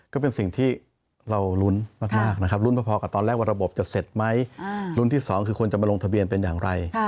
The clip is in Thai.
ก็เป็นสิ่งที่เรารุ้นมากนะครับลุ้นพอกับตอนแรกว่าระบบจะเสร็จไหมรุ่นที่๒คือคนจะมาลงทะเบียนเป็นอย่างไร